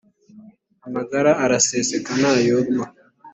Amagara araseseka ntayorwe